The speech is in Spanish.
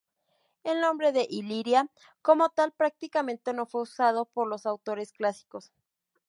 El nombre de Iliria como tal prácticamente no fue usado por los autores clásicos.